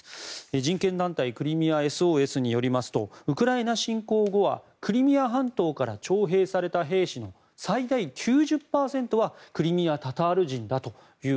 人権団体クリミアＳＯＳによりますとウクライナ侵攻後はクリミア半島から徴兵された兵士の最大９０％はクリミア・タタール人だと。